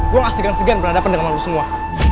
gue nggak segan segan berhadapan dengan lo semua